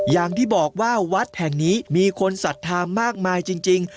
อย่างที่บอกว่าวัดแห่งนี้มีคนศรัทธามากมายจริง